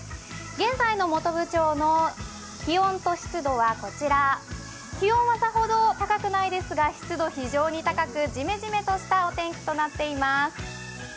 現在の本部町の気温と湿度はこちら、気温はさほど高くないですが、湿度非常に高くじめじめとしたお天気となっています。